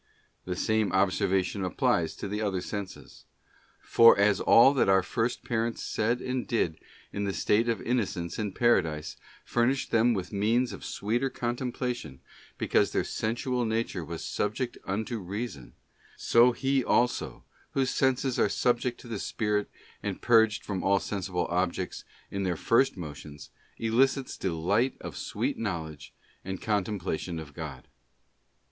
The same observation applies to the other senses. For as all that our first parents said and did in the state of innocence in Paradise furnished them with means of sweeter contemplation, because their sensual nature was subject unto Reason, so he also whose senses are subject to the spirit and purged from all sensible objects, in their first motions, elicits delight of sweet knowledge and Contemplation of God.